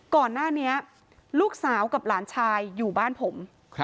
ก่อนหน้านี้ลูกสาวกับหลานชายอยู่บ้านผม